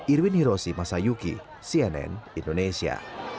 irwin hiroshi masayuki cnn indonesia